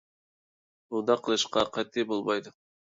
ئۇنداق قىلىشقا قەتئىي بولمايدۇ.